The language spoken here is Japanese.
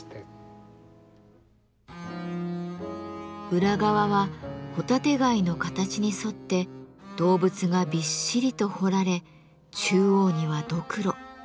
裏側は帆立て貝の形に沿って動物がびっしりと彫られ中央にはドクロ。